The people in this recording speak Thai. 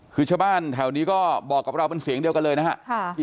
คือชาวบ้านแถวนี้ก็บอกกับเราเป็นเสียงเดียวกันเลยนะครับ